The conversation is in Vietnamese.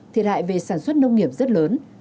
thiệt hại về sản xuất nông nghiệp rất lớn